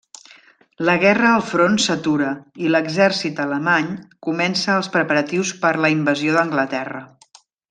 La guerra al front s'atura i l'exèrcit alemany comença els preparatius per la invasió d'Anglaterra.